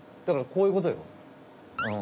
だからこういうことよ。